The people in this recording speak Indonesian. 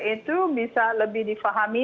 itu bisa lebih difahami